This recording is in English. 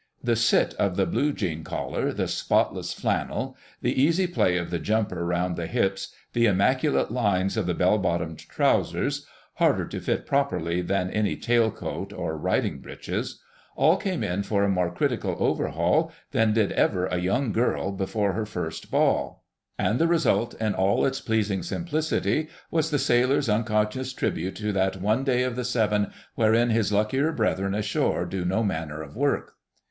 The sit of the blue jean collar, the spotless flannel, the easy play of the jumper round the hips, the immaculate lines of the bell bottomed trousers (harder to fit properly than any tail coat or riding breeches) all came in for a more critical overhaul than did ever a young girl before her first ball. And the result, in all its pleasing simplicity, was the sailor's unconscious tribute to that one day of the seven wherein his luckier brethren ashore do no manner of work.